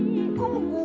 mas yang itu